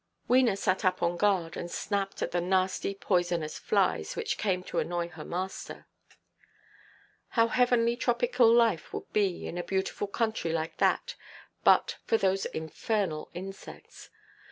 Wena sat up on guard and snapped at the nasty poisonous flies, which came to annoy her master. How heavenly tropical life would be, in a beautiful country like that, but for those infernal insects!